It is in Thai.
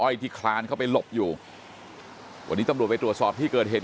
ที่คลานเข้าไปหลบอยู่วันนี้ตำรวจไปตรวจสอบที่เกิดเหตุ